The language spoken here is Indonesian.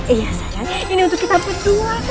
iya sayang ini untuk kita berdua